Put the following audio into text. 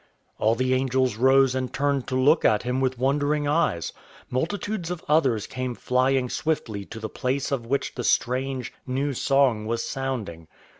All the angels rose and turned to look at him with wondering eyes. Multitudes of others came flying swiftly to the place from which the strange, new song was sounding.